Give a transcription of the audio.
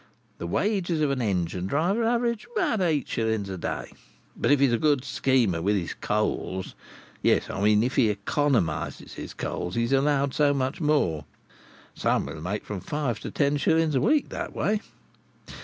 The wages of a engine driver average about eight shillings a day, but if he's a good schemer with his coals—yes, I mean if he economises his coals—he's allowed so much more. Some will make from five to ten shillings a week that way.